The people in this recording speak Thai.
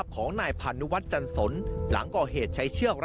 ของเงินแฟน